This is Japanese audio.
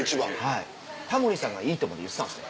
はいタモリさんが『いいとも！』で言ってたんです。